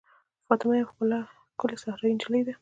فاطمه یوه ښکلې صحرايي نجلۍ ده.